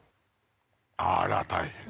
あら大変。